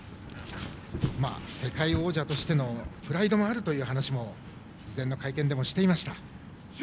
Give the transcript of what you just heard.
世界王者としてのプライドもあるという話も事前の会見でもしていました。